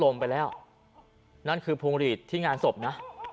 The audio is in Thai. นั่นคือพวงหลีดที่งานศพนะ